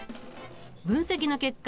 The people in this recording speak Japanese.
分析の結果